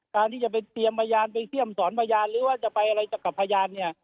การที่จะไปเตรียมพยานไปเสี่ยมสอนพยานหรือว่าจะไปอะไรกับพยานเนี่ย